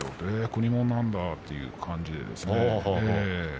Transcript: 国もんなんだという感じなんですよ。